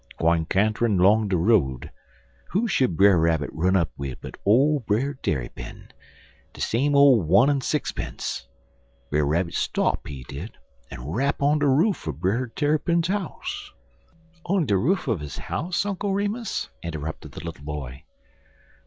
Gwine canterin' long de road, who should Brer Rabbit run up wid but ole Brer Tarrypin de same ole one en sixpunce. Brer Rabbit stop, he did, en rap on de roof er Brer Tarrypin house." "On the roof of his house, Uncle Remus?" interrupted the little boy.